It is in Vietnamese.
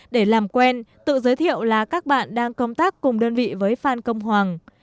để làm quen tự giới thiệu là các bạn đang công tác cùng đơn vị với phan công hoàng